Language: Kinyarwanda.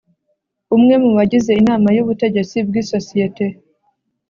Umwe mu bagize Inama y Ubutegetsi bw isosiyete